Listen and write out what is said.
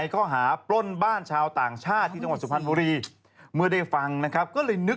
และเพื่อนหลบหนีไปในครั้งอดีต